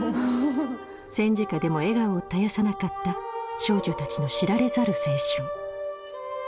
戦時下でも笑顔を絶やさなかった少女たちの知られざる青春